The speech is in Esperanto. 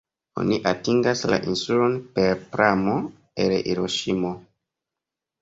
Oni atingas la insulon per pramo el Hiroŝimo.